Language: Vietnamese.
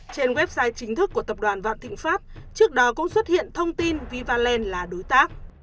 trên website chính thức của tập đoàn vạn thịnh pháp trước đó cũng xuất hiện thông tin vivaland là đối tác